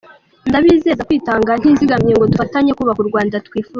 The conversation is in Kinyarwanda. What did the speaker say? Ndabizeza kwitanga ntizigamye ngo dufatanye kubaka Urwanda twifuza.